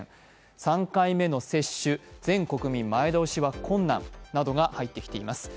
３回目の接種、全国民前倒しは困難などが入ってきています。